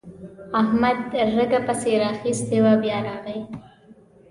احمد رګه پسې راخيستې وه؛ بيا راغی.